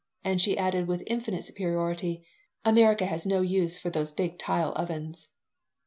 And she added, with infinite superiority, "America has no use for those big tile ovens."